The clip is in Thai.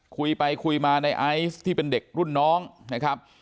คุยไปคุยมาในไอซ์ที่เป็นเด็กรุ่นน้องนะครับ